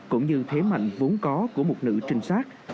cũng như thế mạnh vốn có của một nữ trinh sát